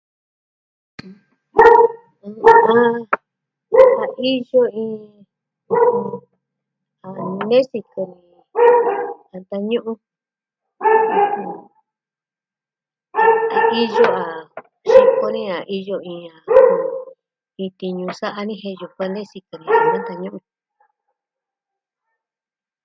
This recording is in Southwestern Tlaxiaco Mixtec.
Va...a iyo iin a nee sikɨ ni a ntañu'un a iyo a... xiko ni a iin a iin tiñu sa'a ni jen yukuan ne sikɨ ni nantañu'un.